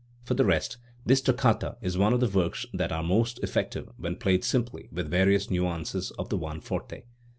For the rest, this toccata is one of the works that are most effective when played simply with various nu ances of the one forte.